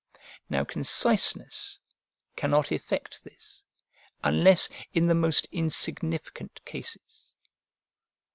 Now conciseness cannot effect this, unless in the most insignificant cases.